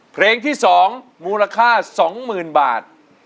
เพลงที่สองมูลค่าสองหมื่นบาท